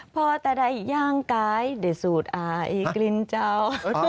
พอแต่ได้ย่างกายได้สูดอายกลิ่นเจ้า